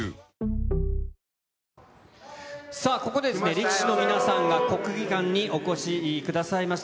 力士の皆さんが、国技館にお越しくださいました。